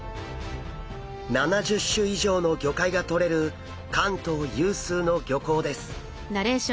７０種以上の魚介がとれる関東有数の漁港です。